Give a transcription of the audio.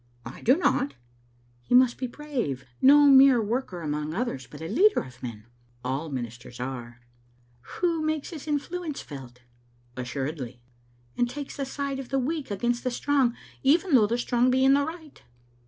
" "I do not." " He must be brave, no mere worker among others, but a leader of men." "All ministers are." "Who makes his influence felt" "Assuredly." " And takes the side of the weak against the strong, even though the strong be in the right.